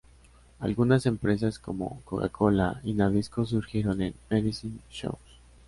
Algunas empresas como Coca-Cola y Nabisco surgieron en "medicine shows".